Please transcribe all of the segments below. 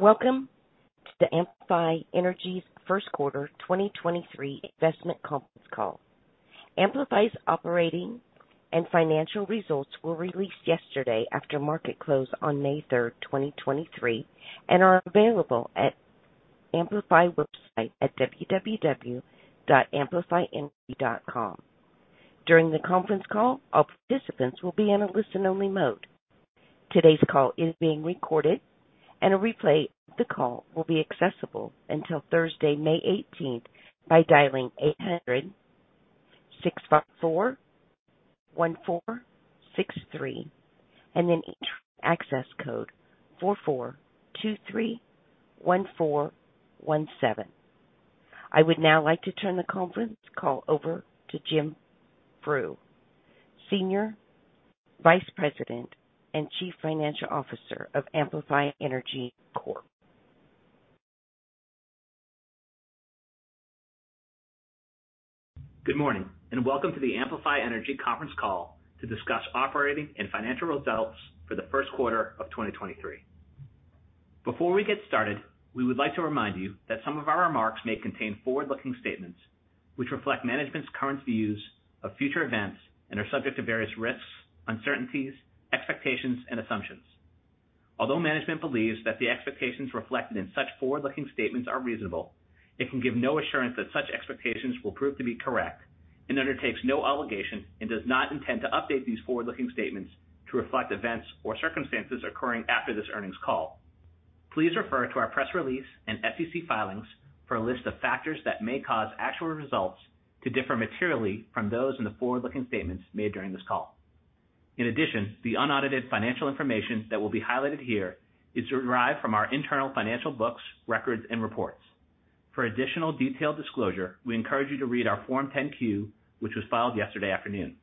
Welcome to the Amplify Energy's First Quarter 2023 Investment Conference Call. Amplify's operating and financial results were released yesterday after market close on May 3, 2023, and are available at Amplify website at www.amplifyenergy.com. During the conference call, all participants will be in a listen-only mode. Today's call is being recorded, and a replay of the call will be accessible until Thursday, May 18, by dialing 800-641-463 and then enter access code 44231417. I would now like to turn the conference call over to James Frew, Senior Vice President and Chief Financial Officer of Amplify Energy Corp. Good morning, and welcome to the Amplify Energy conference call to discuss operating and financial results for the first quarter of 2023. Before we get started, we would like to remind you that some of our remarks may contain forward-looking statements which reflect management's current views of future events and are subject to various risks, uncertainties, expectations, and assumptions. Although management believes that the expectations reflected in such forward-looking statements are reasonable, it can give no assurance that such expectations will prove to be correct and undertakes no obligation and does not intend to update these forward-looking statements to reflect events or circumstances occurring after this earnings call. Please refer to our press release and SEC filings for a list of factors that may cause actual results to differ materially from those in the forward-looking statements made during this call. In addition, the unaudited financial information that will be highlighted here is derived from our internal financial books, records, and reports. For additional detailed disclosure, we encourage you to read our Form 10-Q, which was filed yesterday afternoon.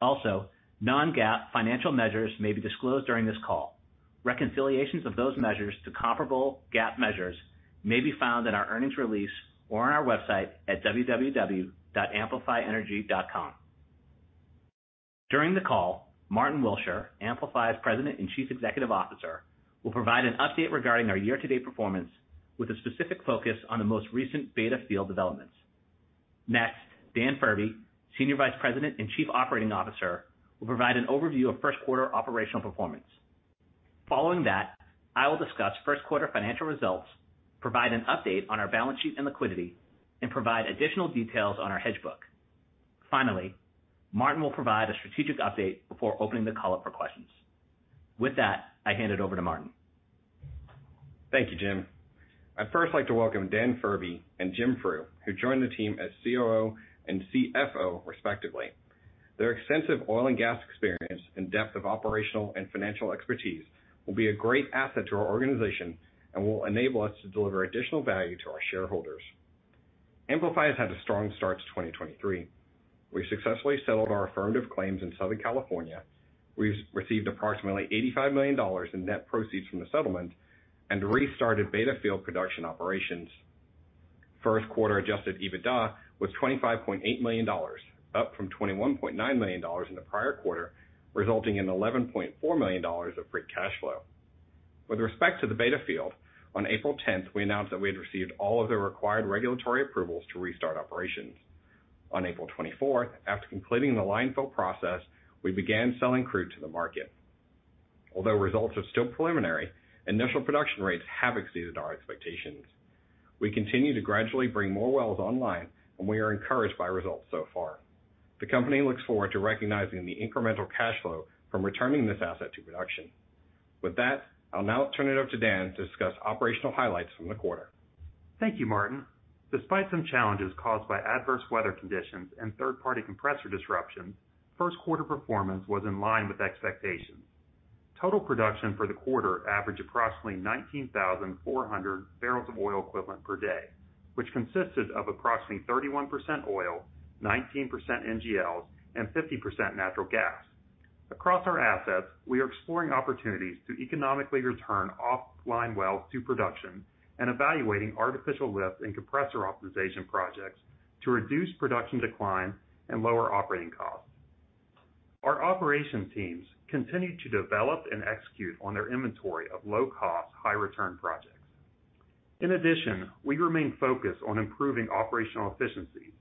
Also, non-GAAP financial measures may be disclosed during this call. Reconciliations of those measures to comparable GAAP measures may be found in our earnings release or on our website at www.amplifyenergy.com. During the call, Martyn Willsher, Amplify's President and Chief Executive Officer, will provide an update regarding our year-to-date performance with a specific focus on the most recent Beta field developments. Next, Dan Furbee, Senior Vice President and Chief Operating Officer, will provide an overview of first quarter operational performance. Following that, I will discuss first quarter financial results, provide an update on our balance sheet and liquidity, and provide additional details on our hedge book. Martyn will provide a strategic update before opening the call up for questions. With that, I hand it over to Martyn. Thank you, Jim. I'd first like to welcome Dan Furbee and James Frew, who joined the team as Chief Operating Officer and Chief Financial Officer, respectively. Their extensive oil and gas experience and depth of operational and financial expertise will be a great asset to our organization and will enable us to deliver additional value to our shareholders. Amplify has had a strong start to 2023. We successfully settled our affirmative claims in Southern California. We received approximately $85 million in net proceeds from the settlement and restarted Beta Field production operations. First quarter adjusted EBITDA was $25.8 million, up from $21.9 million in the prior quarter, resulting in $11.4 million of free cash flow. With respect to the Beta Field, on April 10th, we announced that we had received all of the required regulatory approvals to restart operations. On April 24th, after completing the line fill process, we began selling crude to the market. Although results are still preliminary, initial production rates have exceeded our expectations. We continue to gradually bring more wells online, and we are encouraged by results so far. The company looks forward to recognizing the incremental cash flow from returning this asset to production. With that, I'll now turn it over to Dan to discuss operational highlights from the quarter. Thank you, Martyn. Despite some challenges caused by adverse weather conditions and third-party compressor disruptions, first quarter performance was in line with expectations. Total production for the quarter averaged approximately 19,400 barrels of oil equivalent per day, which consisted of approximately 31% oil, 19% NGLs, and 50% natural gas. Across our assets, we are exploring opportunities to economically return offline wells to production and evaluating artificial lift and compressor optimization projects to reduce production decline and lower operating costs. Our operations teams continue to develop and execute on their inventory of low-cost, high-return projects. In addition, we remain focused on improving operational efficiency.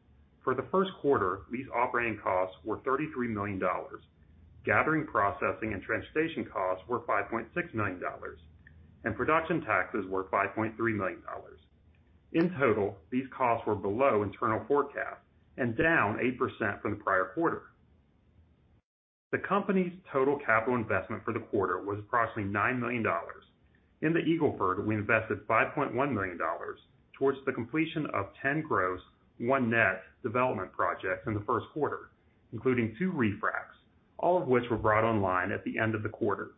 For the first quarter, these operating costs were $33 million. Gathering, processing, and transportation costs were $5.6 million, and production taxes were $5.3 million. In total, these costs were below internal forecasts and down 8% from the prior quarter. The company's total capital investment for the quarter was approximately $9 million. In the Eagle Ford, we invested $5.1 million towards the completion of 10 gross, 1 net development projects in the first quarter, including 2 refracs, all of which were brought online at the end of the quarter.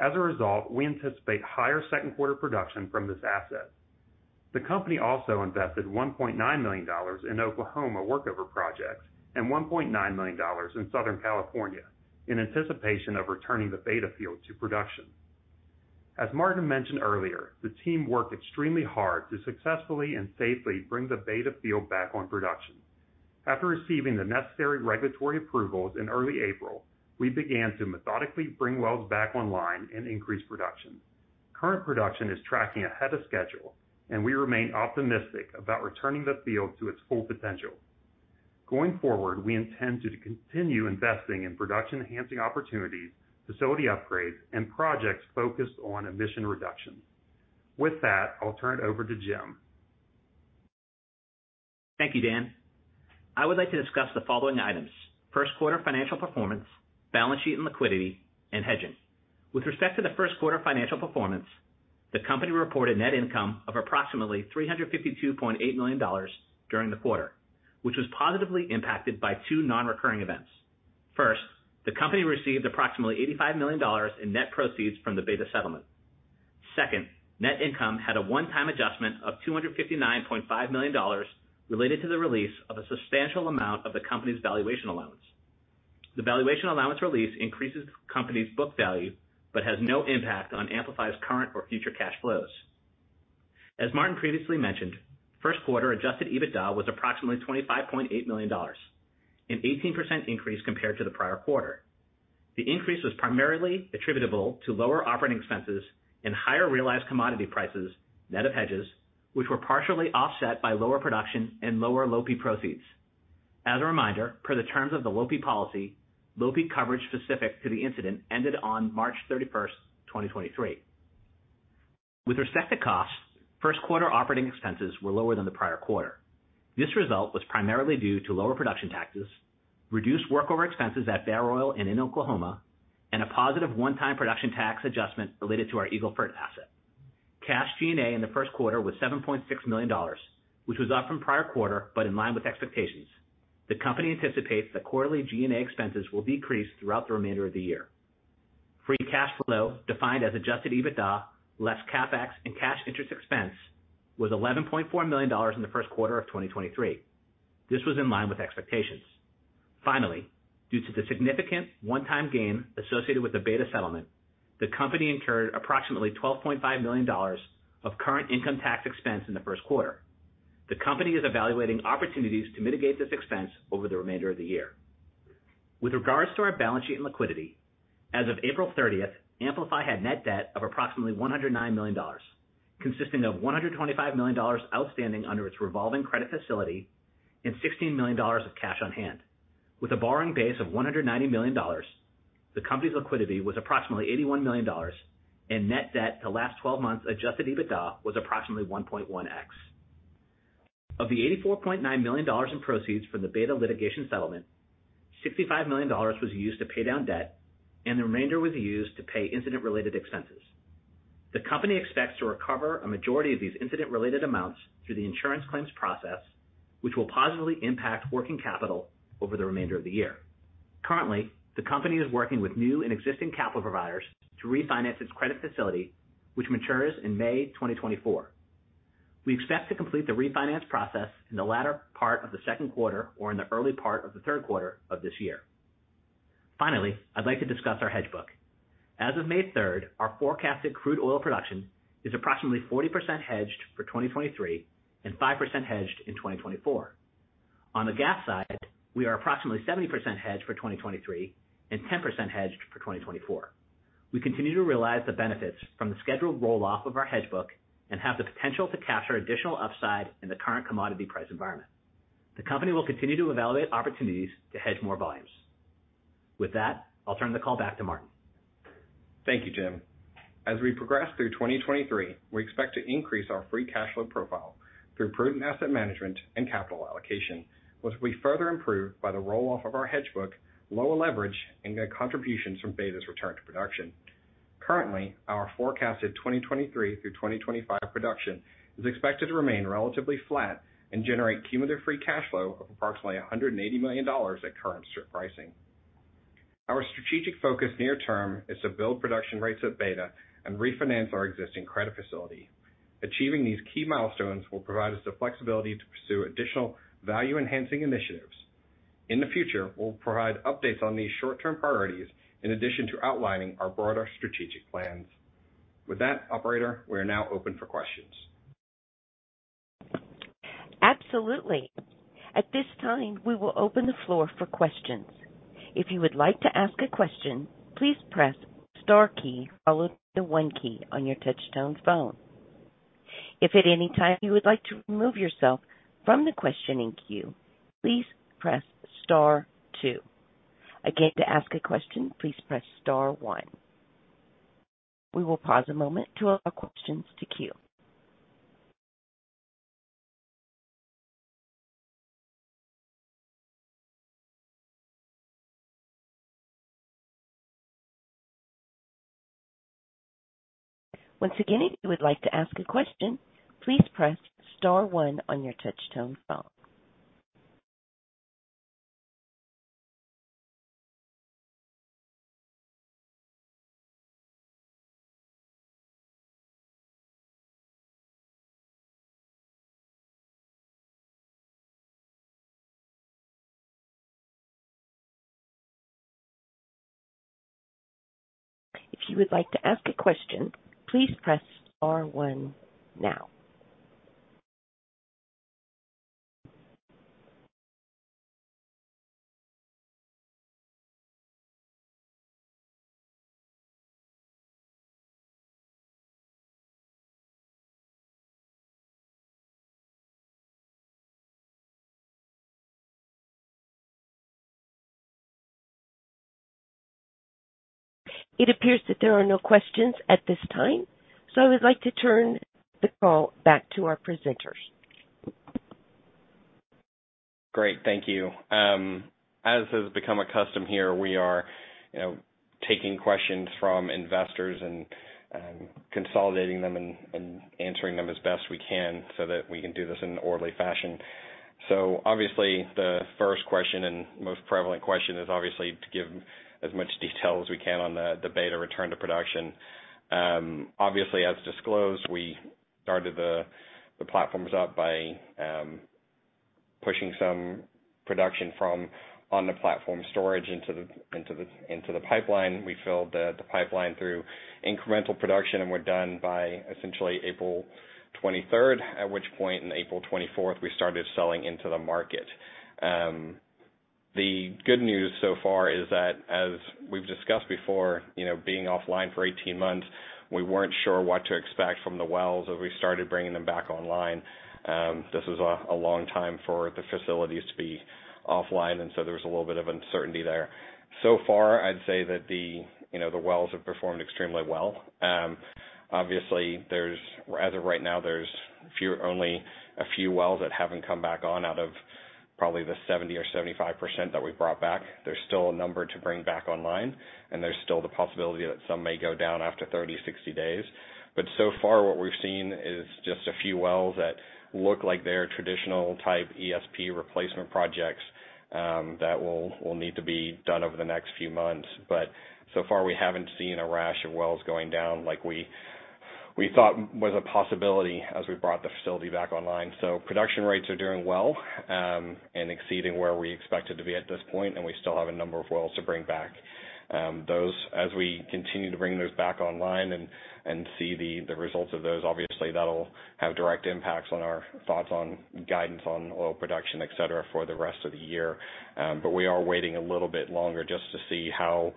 As a result, we anticipate higher second quarter production from this asset. The company also invested $1.9 million in Oklahoma workover projects and $1.9 million in Southern California in anticipation of returning the Beta field to production. As Martin mentioned earlier, the team worked extremely hard to successfully and safely bring the Beta field back on production. After receiving the necessary regulatory approvals in early April, we began to methodically bring wells back online and increase production. Current production is tracking ahead of schedule, and we remain optimistic about returning the field to its full potential. Going forward, we intend to continue investing in production-enhancing opportunities, facility upgrades, and projects focused on emission reduction. With that, I'll turn it over to Jim. Thank you, Dan. I would like to discuss the following items: first quarter financial performance, balance sheet and liquidity, and hedging. With respect to the first quarter financial performance, the company reported net income of approximately $352.8 million during the quarter, which was positively impacted by two non-recurring events. First, the company received approximately $85 million in net proceeds from the Beta settlement. Second, net income had a one-time adjustment of $259.5 million related to the release of a substantial amount of the company's valuation allowance. The valuation allowance release increases the company's book value, but has no impact on Amplify's current or future cash flows. As Martin previously mentioned, first quarter adjusted EBITDA was approximately $25.8 million, an 18% increase compared to the prior quarter. The increase was primarily attributable to lower operating expenses and higher realized commodity prices, net of hedges, which were partially offset by lower production and lower LOPI proceeds. As a reminder, per the terms of the LOPI policy, LOPI coverage specific to the incident ended on March 31st, 2023. With respect to cost, first quarter operating expenses were lower than the prior quarter. This result was primarily due to lower production taxes, reduced workover expenses at Bairoil and in Oklahoma, and a positive one-time production tax adjustment related to our Eagle Ford asset. Cash G&A in the first quarter was $7.6 million, which was up from prior quarter, but in line with expectations. The company anticipates that quarterly G&A expenses will decrease throughout the remainder of the year. Free cash flow, defined as adjusted EBITDA less CapEx and cash interest expense, was $11.4 million in the first quarter of 2023. This was in line with expectations. Due to the significant one-time gain associated with the Beta settlement, the company incurred approximately $12.5 million of current income tax expense in the first quarter. The company is evaluating opportunities to mitigate this expense over the remainder of the year. With regards to our balance sheet and liquidity, as of April 30th, Amplify had net debt of approximately $109 million, consisting of $125 million outstanding under its revolving credit facility and $16 million of cash on hand. With a borrowing base of $190 million, the company's liquidity was approximately $81 million and net debt to last twelve months adjusted EBITDA was approximately 1.1x. Of the $84.9 million in proceeds from the Beta litigation settlement, $65 million was used to pay down debt, and the remainder was used to pay incident-related expenses. The company expects to recover a majority of these incident-related amounts through the insurance claims process, which will positively impact working capital over the remainder of the year. Currently, the company is working with new and existing capital providers to refinance its credit facility, which matures in May 2024. We expect to complete the refinance process in the latter part of the second quarter or in the early part of the third quarter of this year. I'd like to discuss our hedge book. As of May 3rd, our forecasted crude oil production is approximately 40% hedged for 2023 and 5% hedged in 2024. On the gas side, we are approximately 70% hedged for 2023 and 10% hedged for 2024. We continue to realize the benefits from the scheduled roll-off of our hedge book and have the potential to capture additional upside in the current commodity price environment. The company will continue to evaluate opportunities to hedge more volumes. With that, I'll turn the call back to Martyn. Thank you, Jim. As we progress through 2023, we expect to increase our free cash flow profile through prudent asset management and capital allocation, which we further improve by the roll-off of our hedge book, lower leverage, and get contributions from Beta's return to production. Currently, our forecasted 2023 through 2025 production is expected to remain relatively flat and generate cumulative free cash flow of approximately $180 million at current strip pricing. Our strategic focus near term is to build production rates at Beta and refinance our existing credit facility. Achieving these key milestones will provide us the flexibility to pursue additional value-enhancing initiatives. In the future, we'll provide updates on these short-term priorities in addition to outlining our broader strategic plans. With that, operator, we are now open for questions. Absolutely. At this time, we will open the floor for questions. If you would like to ask a question, please press star key, followed by the one key on your touch-tone phone. If at any time you would like to remove yourself from the questioning queue, please press star two. Again, to ask a question, please press star one. We will pause a moment to allow questions to queue. Once again, if you would like to ask a question, please press star one on your touch-tone phone. If you would like to ask a question, please press star one now. It appears that there are no questions at this time, I would like to turn the call back to our presenters. Great. Thank you. As has become a custom here we are, you know, taking questions from investors and consolidating them and answering them as best we can so that we can do this in an orderly fashion. Obviously the first question and most prevalent question is obviously to give as much detail as we can on the Bairoil return to production. Obviously as disclosed, we started the platforms up by pushing some production from on the platform storage into the pipeline. We filled the pipeline through incremental production, and we're done by essentially April 23rd, at which point in April 24th, we started selling into the market. The good news so far is that as we've discussed before, you know, being offline for 18 months, we weren't sure what to expect from the wells as we started bringing them back online. This was a long time for the facilities to be offline, and so there was a little bit of uncertainty there. So far, I'd say that the, you know, the wells have performed extremely well. Obviously as of right now, there's only a few wells that haven't come back on out of probably the 70% or 75% that we've brought back. There's still a number to bring back online, and there's still the possibility that some may go down after 30, 60 days. So far what we've seen is just a few wells that look like they're traditional type ESP replacement projects that will need to be done over the next few months. So far we haven't seen a rash of wells going down like we thought was a possibility as we brought the facility back online. Production rates are doing well and exceeding where we expected to be at this point, and we still have a number of wells to bring back. As we continue to bring those back online and see the results of those, obviously that'll have direct impacts on our thoughts on guidance on oil production, et cetera, for the rest of the year. We are waiting a little bit longer just to see how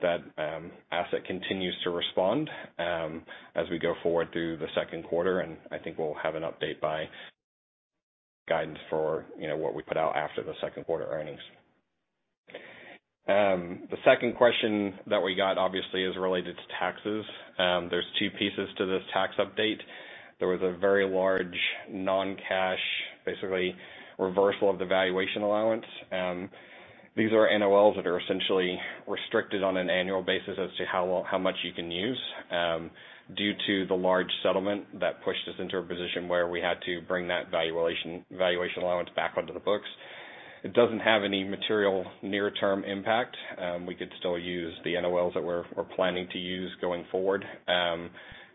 that asset continues to respond as we go forward through the second quarter. I think we'll have an update by guidance for, you know, what we put out after the second quarter earnings. The second question that we got obviously is related to taxes. There's two pieces to this tax update. There was a very large non-cash, basically reversal of the valuation allowance. These are NOLs that are essentially restricted on an annual basis as to how much you can use due to the large settlement that pushed us into a position where we had to bring that valuation allowance back onto the books. It doesn't have any material near term impact. We could still use the NOLs that we're planning to use going forward.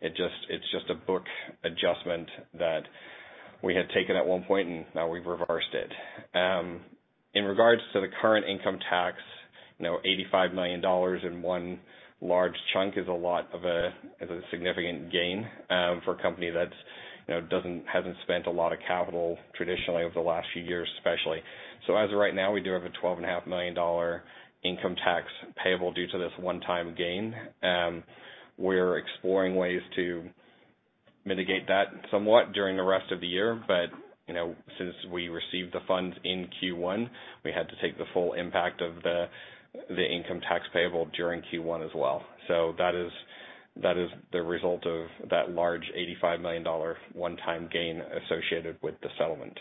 It's just a book adjustment that we had taken at one point and now we've reversed it. In regards to the current income tax, you know, $85 million in one large chunk is a significant gain for a company that's, you know, hasn't spent a lot of capital traditionally over the last few years, especially. As of right now, we do have a $12.5 million income tax payable due to this one-time gain. We're exploring ways to mitigate that somewhat during the rest of the year. You know, since we received the funds in Q1, we had to take the full impact of the income tax payable during Q1 as well. That is the result of that large $85 million one-time gain associated with the settlement.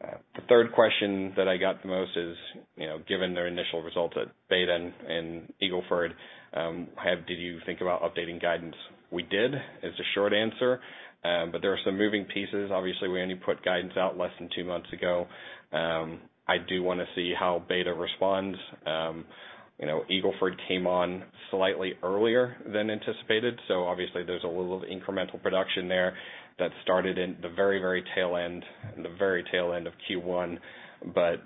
The third question that I got the most is, you know, given their initial results at Beta and Eagle Ford, did you think about updating guidance? We did, is the short answer. There are some moving pieces. Obviously, we only put guidance out less than two months ago. I do wanna see how Beta responds. You know, Eagle Ford came on slightly earlier than anticipated, so obviously there's a little incremental production there that started in the very tail end of Q1.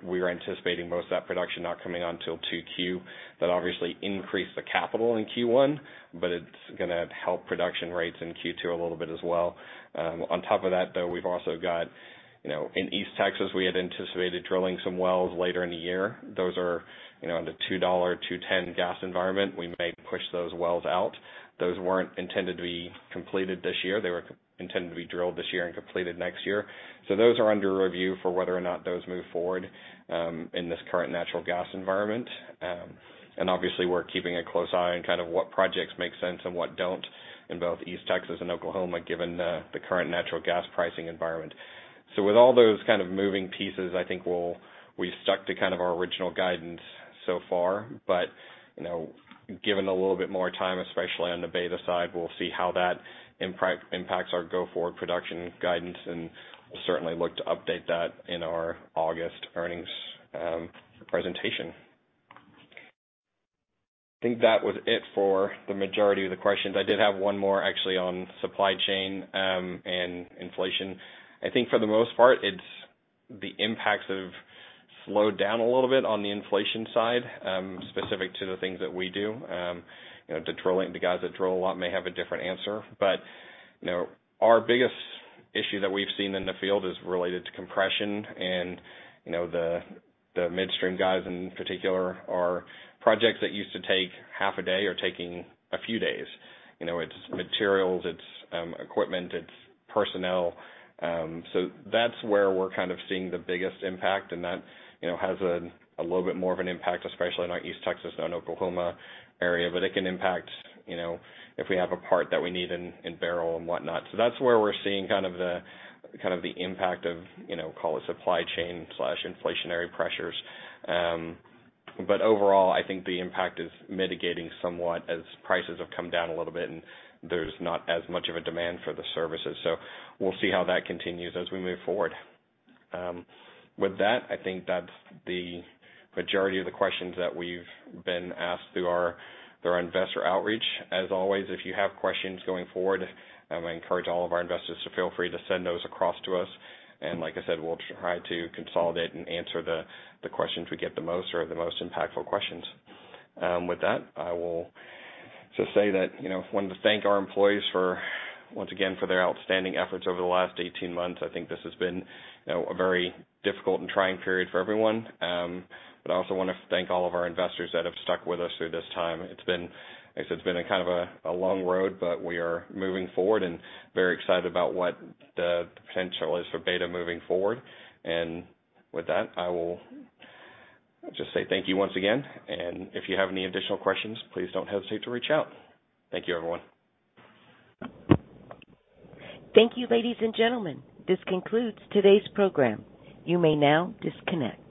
We're anticipating most of that production not coming until 2Q. That obviously increased the capital in Q1, but it's gonna help production rates in Q2 a little bit as well. On top of that, though, we've also got, you know, in East Texas, we had anticipated drilling some wells later in the year. Those are, you know, in the $2, $2.10 gas environment. We may push those wells out. Those weren't intended to be completed this year. They were intended to be drilled this year and completed next year. Those are under review for whether or not those move forward in this current natural gas environment. Obviously we're keeping a close eye on kind of what projects make sense and what don't in both East Texas and Oklahoma, given the current natural gas pricing environment. With all those kind of moving pieces, I think we've stuck to kind of our original guidance so far. You know, given a little bit more time, especially on the beta side, we'll see how that impacts our go-forward production guidance, and we'll certainly look to update that in our August earnings presentation. I think that was it for the majority of the questions. I did have one more actually on supply chain, and inflation. I think for the most part, The impacts have slowed down a little bit on the inflation side, specific to the things that we do. You know, the guys that drill a lot may have a different answer, but, you know, our biggest issue that we've seen in the field is related to compression. You know, the midstream guys in particular are projects that used to take half a day are taking a few days. You know, it's materials, it's equipment, it's personnel. That's where we're kind of seeing the biggest impact, and that, you know, has a little bit more of an impact, especially in like East Texas and Oklahoma area. It can impact, you know, if we have a part that we need in Bairoil and whatnot. That's where we're seeing kind of the impact of, you know, call it supply chain/inflationary pressures. Overall, I think the impact is mitigating somewhat as prices have come down a little bit and there's not as much of a demand for the services. We'll see how that continues as we move forward. With that, I think that's the majority of the questions that we've been asked through our investor outreach. As always, if you have questions going forward, I encourage all of our investors to feel free to send those across to us. Like I said, we'll try to consolidate and answer the questions we get the most or the most impactful questions. With that, I will just say that, you know, wanted to thank our employees for, once again, for their outstanding efforts over the last 18 months. I think this has been, you know, a very difficult and trying period for everyone. I also wanna thank all of our investors that have stuck with us through this time. I said it's been a kind of a long road, but we are moving forward and very excited about what the potential is for Beta moving forward. With that, I will just say thank you once again, and if you have any additional questions, please don't hesitate to reach out. Thank you, everyone. Thank you, ladies and gentlemen. This concludes today's program. You may now disconnect.